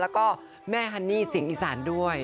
แล้วก็แม่ฮันนี่เสียงอีสานด้วย